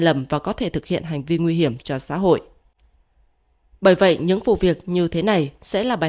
lầm và có thể thực hiện hành vi nguy hiểm cho xã hội bởi vậy những vụ việc như thế này sẽ là bài